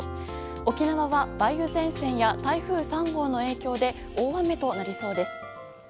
沖縄は梅雨前線や台風３号の影響で大雨となりそうです。